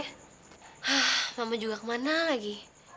hah mama juga ke mana lagi